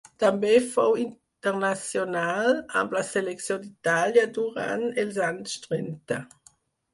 També fou internacional amb la selecció d'Itàlia durant els anys trenta.